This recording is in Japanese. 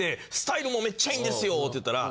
って言ったら。